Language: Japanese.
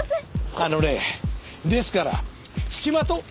あのねですからつきまと。